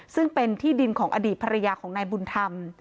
ซึ่งเป็นที่ดินของอดีตภรรยาของนายบุญธรรม